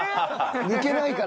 抜けないからって。